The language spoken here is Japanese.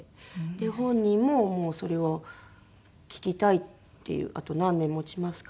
本人ももうそれを聞きたいっていうあと何年もちますか？